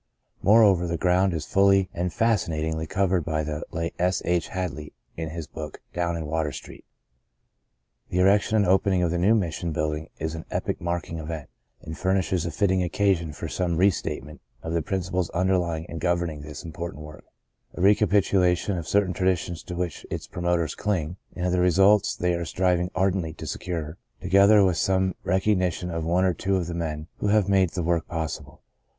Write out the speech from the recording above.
Moreover, the ground is fully and fascinatingly covered by the late S. H. Hadley in his book, Down in Water Street." The erection and opening of the new mis sion building is an epoch marking event, and furnishes a fitting occasion for some re statement of the principles underlying and governing this important work, a recapitula tion of certain traditions to which its promo ters cling and of the results they are striving ardently to secure, together with some rec ognition of one or two of the men who have made the work possible.